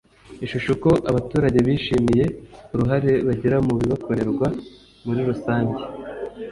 Ishusho Uko abaturage bishimiye uruhare bagira mu bibakorerwa muri rusange